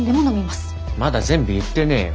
まだ全部言ってねえよ。